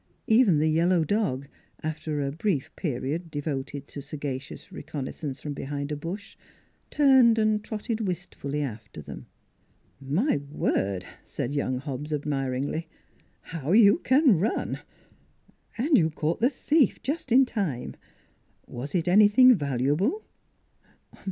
Even the yellow dog, after a brief period devoted to sagacious recon noissance from behind a bush, turned and trotted wistfully after them. " My word !" said young Hobbs admiringly, "how you can run! And you caught the thief just in time. ... Was it anything valuable?